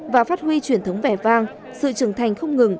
và phát huy truyền thống vẻ vang sự trưởng thành không ngừng